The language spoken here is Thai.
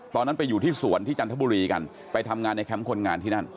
ตอนนั้นไปอยู่ที่สวนที่จันทบุรีกันไปทำงานในแคมป์คนงานที่นั่น